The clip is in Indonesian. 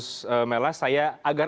sebelum mendaftarkan akhir akhir